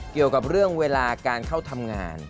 เกี่ยวกับเรื่องเวลาการเข้าทำงาน